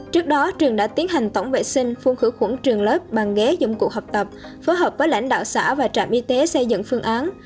trước đó trường đã tiến hành tổng vệ sinh phun khử khuẩn trường lớp bằng ghế dụng cụ học tập phối hợp với lãnh đạo xã và trạm y tế xây dựng phương án